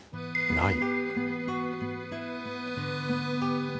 ない。